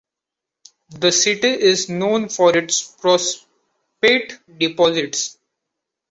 This city is known for its phosphate deposits.